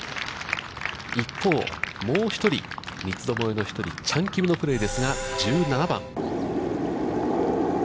一方、もう１人、三つどもえの１人、チャン・キムのプレーですが、１７番。